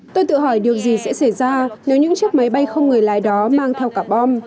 tôi tự hỏi điều gì sẽ xảy ra nếu những chiếc máy bay không người lái đó mang theo cả bom